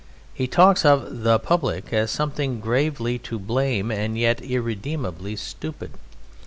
He talks of "The Public" as something gravely to blame and yet irredeemably stupid.